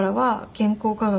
健康科学。